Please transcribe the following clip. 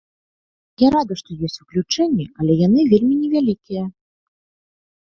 Я рада, што ёсць выключэнні, але яны вельмі невялікія.